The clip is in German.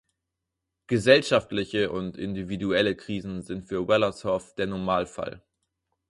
Gesellschaftliche und individuelle Krisen sind für Wellershoff der Normalfall.